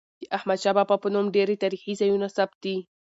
د احمدشاه بابا په نوم ډیري تاریخي ځایونه ثبت دي.